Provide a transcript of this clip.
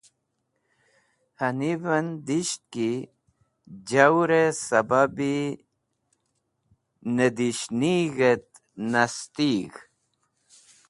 Hanivẽn disht ki jawrẽ sẽbabi nẽdishnig̃hẽt nastig̃h